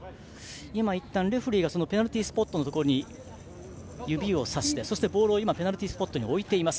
今、いったんレフェリーがペナルティースポットに指をさしてボールをペナルティースポットに置いています。